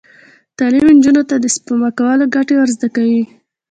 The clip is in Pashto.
تعلیم نجونو ته د سپما کولو ګټې ور زده کوي.